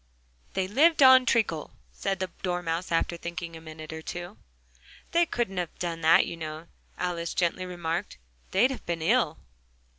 "They lived on treacle," said the Dormouse, after thinking a minute or two. "They couldn't have done that, you know," Alice gently remarked: "they'd have been ill."